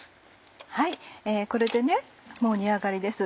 これでもう煮上がりです